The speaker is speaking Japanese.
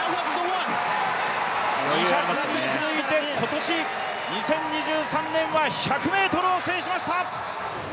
２００に次いで今年２０２３年は１００ｍを制しました。